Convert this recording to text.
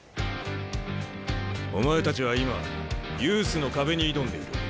お前たちは今ユースの壁に挑んでいる。